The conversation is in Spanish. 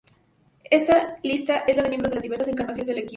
Esta lista es de los miembros en las diversas encarnaciones del equipo.